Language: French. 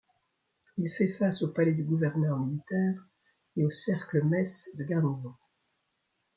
Il fait face au palais du Gouverneur militaire et au cercle mess de garnison.